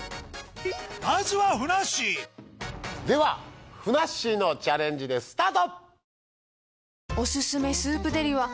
まずはではふなっしーのチャレンジですスタート。